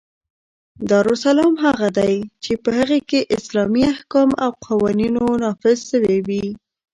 دارالاسلام هغه دئ، چي په هغي کښي اسلامي احکام او قوانینو نافظ سوي يي.